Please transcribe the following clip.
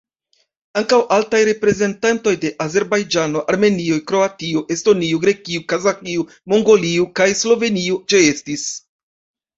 Ankaŭ altaj reprezentantoj de Azerbajĝano, Armenio, Kroatio, Estonio, Grekio, Kazaĥio, Mongolio kaj Slovenio ĉeestis.